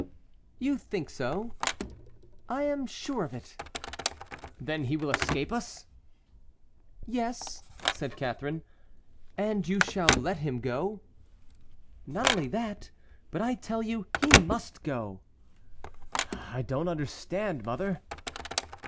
"You think so?" "I am sure of it." "Then he will escape us?" "Yes," said Catharine. "And shall you let him go?" "Not only that, but I tell you he must go." "I do not understand, mother."